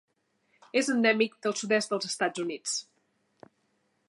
És endèmic del sud-est dels Estats Units.